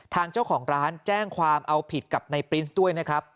ทางเจ้าของร้านแจ้งความเอาผิดกับในปรินส์ด้วยนะครับ